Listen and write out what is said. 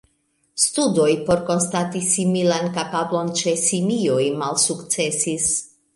Studoj por konstati similan kapablon ĉe simioj malsukcesis.